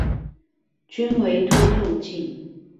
均為凸透鏡